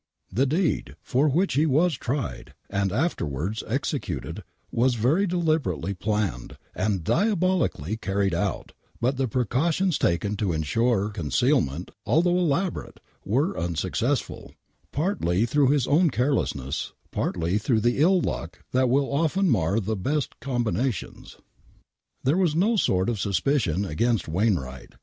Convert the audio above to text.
The deed, for which he was tried, and afterwards executed, was very deliberately planned, and diabolically carried out,, but the precautions taken to insure concealment^ although elaborate, were unsuccessful, partly through his own carelessness, partly through the ill luck that will often mar the best combinations. There was no sort of suspicion against Wainwright.